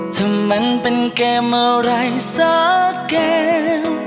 ถ้ามันเป็นเกมอะไรซะเกม